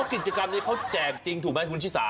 กิจกรรมนี้เขาแจกจริงถูกไหมคุณชิสา